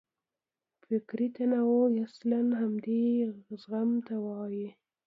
فکري تنوع اصلاً همدې زغم ته وایي.